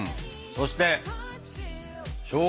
そしてしょうが！